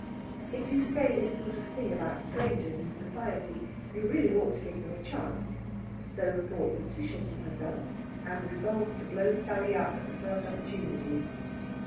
If you say this sort of thing about strangers in Society, you really ought to give them a chance. So thought Lætitia to herself, and resolved to blow Sally up at the first opportunity.